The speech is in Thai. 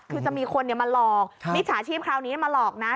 คือจะมีคนมาหลอกมิจฉาชีพคราวนี้มาหลอกนะ